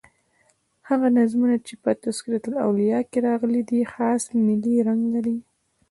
هغه نظمونه چي په "تذکرةالاولیاء" کښي راغلي دي خاص ملي رنګ لري.